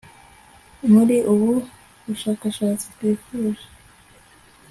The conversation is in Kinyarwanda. muri ubu bushakashatsi twifuje